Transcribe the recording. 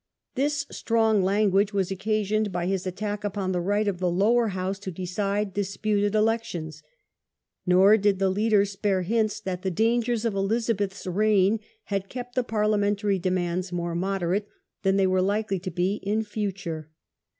This strong language was occasioned by his attack upon the right of the Lower House to decide disputed elec tions. Nor did the leaders spare hints that the dangers of Elizabeth's reign had kept the Parliamentary demands more moderate than they were likely to be in future.